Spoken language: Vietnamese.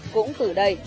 cũng từ đây